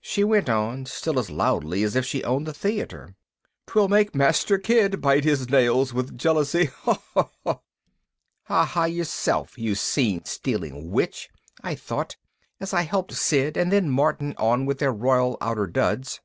She went on, still as loudly as if she owned the theater, "'Twill make Master Kyd bite his nails with jealousy ha, ha!" Ha ha yourself, you scene stealing witch, I thought, as I helped Sid and then Martin on with their royal outer duds.